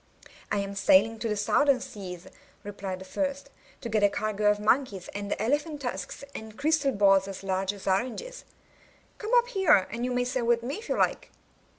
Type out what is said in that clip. *1 am sailing to the Southern Seas," replied the first, *'to get a cargo of monkeys, and elephant tusks, and crystal balls as large as oranges. Come up here, and you may sail with me if you like."